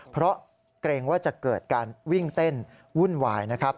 เพราะเกรงว่าจะเกิดการวิ่งเต้นวุ่นวายนะครับ